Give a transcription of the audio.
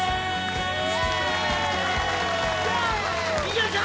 よいしょ！